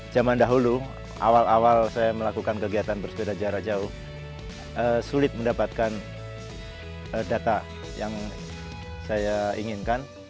zaman dahulu awal awal saya melakukan kegiatan bersepeda jarak jauh sulit mendapatkan data yang saya inginkan